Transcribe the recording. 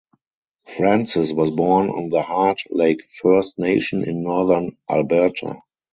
Francis was born on the Heart Lake First Nation in northern Alberta.